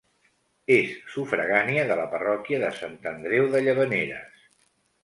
És sufragània de la parròquia de Sant Andreu de Llavaneres.